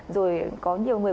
rồi có nhiều người